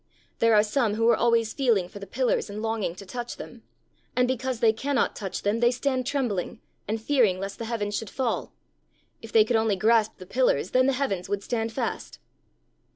There are some who are always feeling for the pillars, and longing to touch them. And, because they cannot touch them, they stand trembling, and fearing lest the heavens should fall. If they could only grasp the pillars, then the heavens would stand fast.'